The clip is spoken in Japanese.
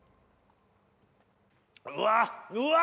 うわ！